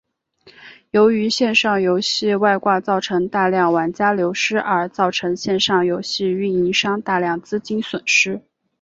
由于线上游戏外挂造成大量玩家流失而造成线上游戏营运商大量资金损失。